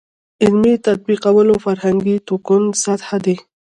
عملي تطبیقولو فرهنګي تکون سطح دی.